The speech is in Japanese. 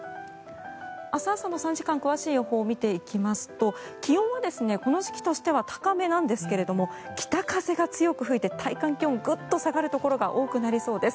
明日朝の３時間詳しい予報を見ていきますと気温はこの時期としては高めなんですが北風が強く吹いて体感気温、グッと下がるところが多くなりそうです。